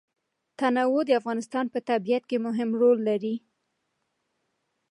تنوع د افغانستان په طبیعت کې مهم رول لري.